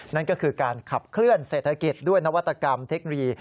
นั่นก็คือการขับเคลื่อนเศรษฐกิจด้วยนวัตกรรมเทคโนโลยี